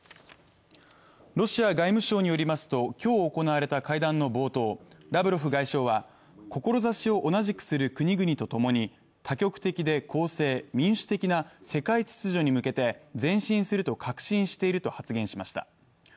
ロシア外務省によりますと、今日行われた会談の冒頭、ラブロフ外相は、志を同じくする国々とともに多極的で公正、民主的な世界秩序に向けて前進すると確信していると発言しました。